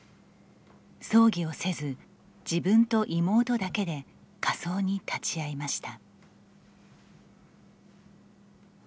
葬儀をせず、自分と妹だけで火葬に立ち会いました。